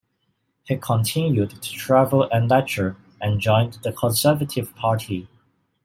He continued to travel and lecture, and joined the Conservative Party.